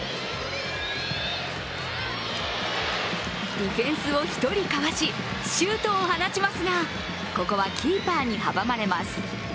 ディフェンスを１人かわしシュートを放ちますがここはキーパーに阻まれます。